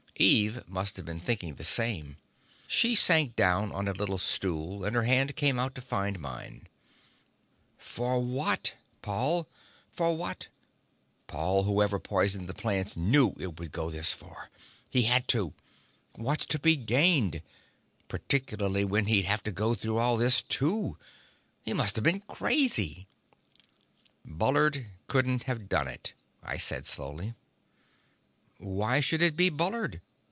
Eve must have been thinking the same. She sank down on a little stool, and her hand came out to find mine. "For what? Paul, whoever poisoned the plants knew it would go this far! He had to! What's to be gained? Particularly when he'd have to go through all this, too! He must have been crazy!" "Bullard couldn't have done it," I said slowly. "Why should it be Bullard?